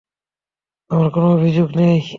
আমার কোন অভিযোগ নেই।